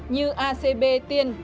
như acb tiên